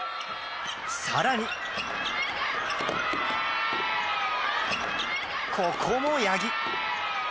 更に、ここも八木！